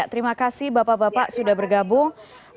terima kasih bapak bapak sudah bergabung